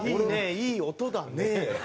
いい音だね」？